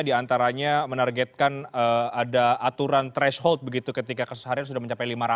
diantaranya menargetkan ada aturan threshold begitu ketika kasus harian sudah mencapai lima ratus